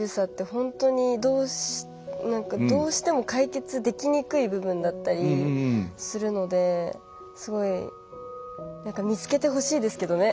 本当にどうしても解決できにくい部分だったりするのですごい見つけてほしいですけどね。